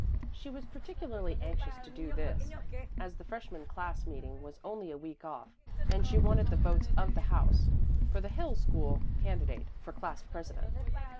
She was particularly anxious to do this, as the freshman class meeting was only a week off, and she wanted the votes of the house for the Hill School candidate for class president.